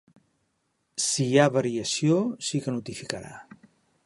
Si hi ha variació sí que notificarà.